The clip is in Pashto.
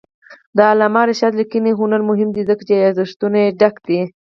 د علامه رشاد لیکنی هنر مهم دی ځکه چې یادښتونه ډک دي.